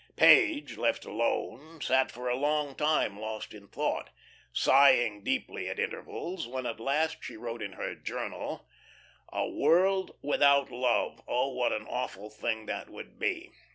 Page, left alone, sat for a long time lost in thought, sighing deeply at intervals, then at last she wrote in her journal: "A world without Love oh, what an awful thing that would be.